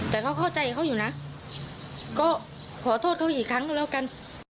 แต่เขาเข้าใจเขาอยู่นะก็ขอโทษเขาอีกครั้งก็แล้วกัน